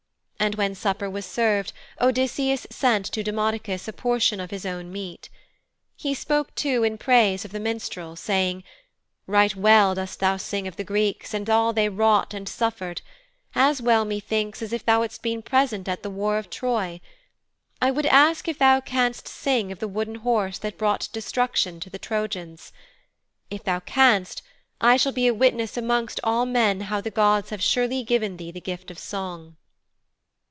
And when supper was served Odysseus sent to Demodocus a portion of his own meat. He spoke too in praise of the minstrel saying, 'Right well dost thou sing of the Greeks and all they wrought and suffered as well, methinks, as if thou hadst been present at the war of Troy. I would ask if thou canst sing of the Wooden Horse that brought destruction to the Trojans. If thou canst, I shall be a witness amongst all men how the gods have surely given thee the gift of song.'